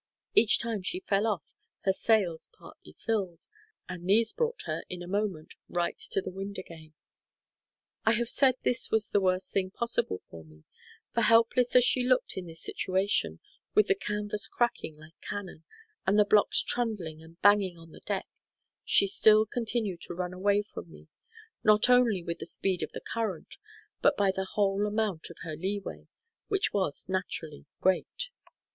Each time she fell off her sails partly filled, and these brought her, in a moment, right to the wind again. I have said this was the worst thing possible for me; for helpless as she looked in this situation, with the canvas cracking like cannon, and the blocks trundling and banging on the deck, she still continued to run away from me, not only with the speed of the current, but by the whole amount of her leeway, which was naturally great.